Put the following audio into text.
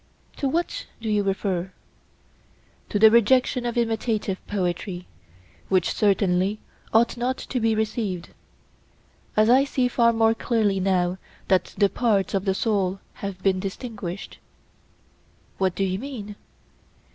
To what do you refer? To the rejection of imitative poetry, which certainly ought not to be received; as I see far more clearly now that the parts of the soul have been distinguished. What do you mean?